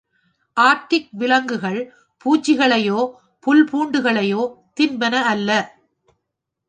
Arctic விலங்குகள் பூச்சிகளையோ, புல் பூண்டுகளையோ தின்பன அல்ல.